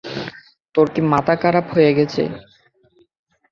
তোর কি মাথা খারাপ হয়ে গেছে?